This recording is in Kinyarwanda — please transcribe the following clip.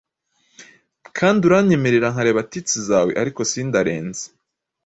Kandi uranyemerera nkareba tits zawe, ariko sindarenze